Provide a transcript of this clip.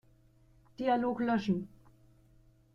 Dialog löschen.